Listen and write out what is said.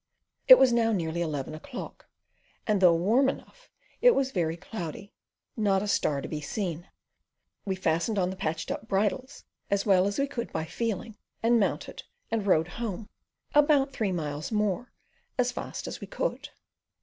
It was now nearly eleven o'clock, and though warm enough it was very cloudy, not a star to be seen. We fastened on the patched up bridles as well as we could by feeling, and mounted, and rode home, about three miles more, as fast as we could.